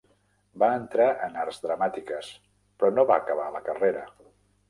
Va entrar en Arts Dramàtiques, però no va acabar la carrera.